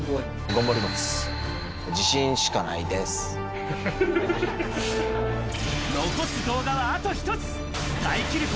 残す動画はあと１つ。